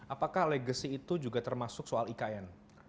apakah legacy itu juga termasuk soal ikn